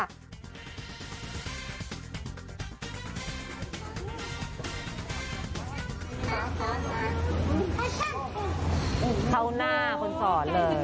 เข้าหน้าคนสอนเลย